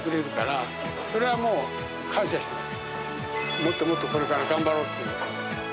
もっともっとこれから頑張ろうっていう。